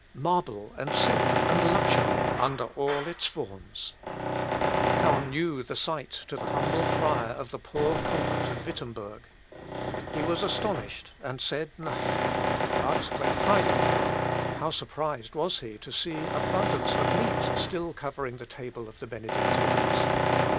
Marble and silk, and luxury under all its forms! How new the sight to the humble friar of the poor convent of Wittemberg! He was astonished and said nothing, but when Friday came, how surprised was he to see abundance of meat still covering the table of the Benedictines!